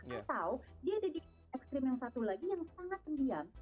atau dia ada di ekstrim yang satu lagi yang sangat pendiam